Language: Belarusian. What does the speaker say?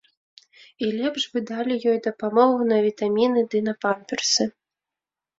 І лепш бы далі ёй дапамогу на вітаміны ды на памперсы.